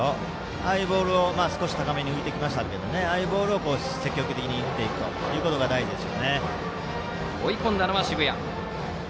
ああいうボールを少し高めに浮きましたがああいうボールを積極的に打っていくことが大事です。